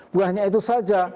buahnya itu saja